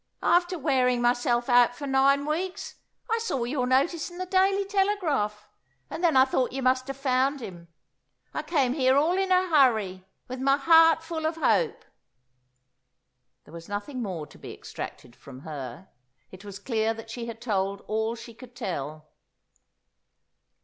After wearing myself out for nine weeks, I saw your notice in the Daily Telegraph, and then I thought you must have found him. I came here all in a hurry, with my heart full of hope." There was nothing more to be extracted from her. It was clear that she had told all she could tell.